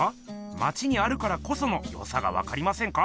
まちにあるからこそのよさがわかりませんか？